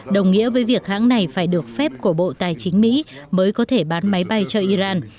đồng nghĩa với việc hãng này phải được phép của bộ tài chính mỹ mới có thể bán máy bay cho iran